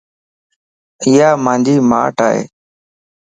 ايا مانجي ماٽ ائي